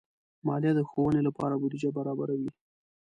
مالیه د ښوونې لپاره بودیجه برابروي.